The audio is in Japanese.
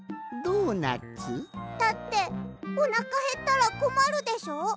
だっておなかへったらこまるでしょ？